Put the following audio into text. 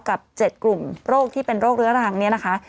๗กลุ่มโรคที่เป็นโรคเรื้อรังเนี่ยนะคะ